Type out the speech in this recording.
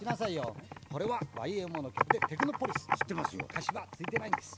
歌詞はついてないんです。